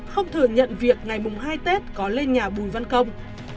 không thừa nhận việc ngày mùng hai tết có lên nhà bùi văn công